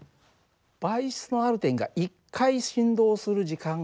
媒質のある点が１回振動する時間が周期Ｔ。